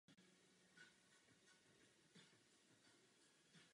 Otec pochází z Irska.